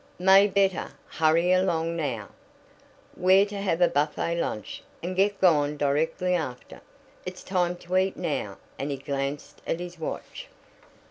"May better. Hurry along, now. We're to have a buffet lunch, and get gone directly after. It's time to eat now," and he glanced at his watch.